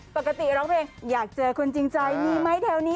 ปกติร้องเพลงอยากเจอคนจริงใจมีไหมแถวนี้